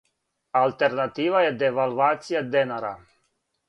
Алтернатива је девалвација денара.